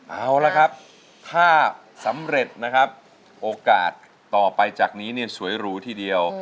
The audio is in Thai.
เอาละครับถ้าสำเร็จนะครับโอกาสต่อไปจากนี้เนี่ยสวยหรูทีเดียว